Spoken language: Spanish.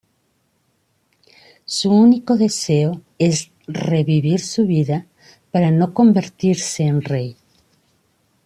Su único deseo es revivir su vida para no convertirse en rey.